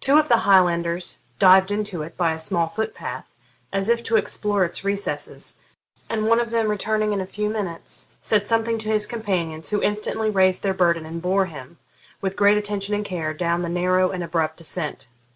Two of the Highlanders dived into it by a small foot path, as if to explore its recesses, and one of them returning in a few minutes, said something to his companions, who instantly raised their burden and bore him, with great attention and care, down the narrow and abrupt descent.